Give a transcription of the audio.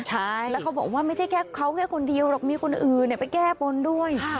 ใช่แล้วเขาบอกว่าไม่ใช่แค่เขาแค่คนเดียวหรอกมีคนอื่นไปแก้บนด้วย